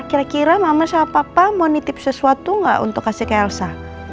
kira kira mama sama papa mau nitip sesuatu nggak untuk kasih ke elsa